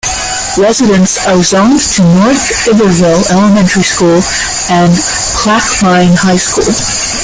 Residents are zoned to North Iberville Elementary School and Plaquemine High School.